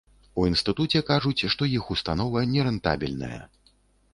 У інстытуце кажуць, што іх установа нерэнтабельная.